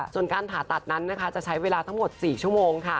ส่วนการผ่าตัดนั้นจะใช้เวลาทั้งหมด๔ชั่วโมง